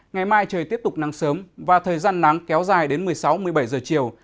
ngày mai trời tiếp tục nắng sớm và thời gian nắng kéo dài đến một mươi sáu một mươi bảy giờ chiều